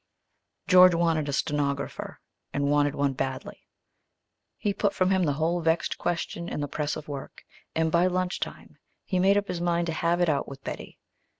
George wanted a stenographer, and wanted one badly. He put from him the whole vexed question in the press of work, and by lunch time he made up his mind to have it out with Betty.